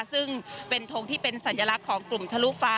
ซึ่งเป็นทงที่เป็นสัญลักษณ์ของกลุ่มทะลุฟ้า